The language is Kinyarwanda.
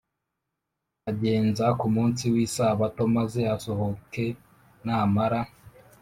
agenza ku munsi w isabato maze asohoke namara